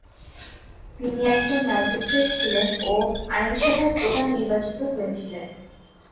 তিনি একজন ম্যাজিস্ট্রেট ছিলেন ও আইনসভার প্রধান নির্বাচিত হয়েছিলেন।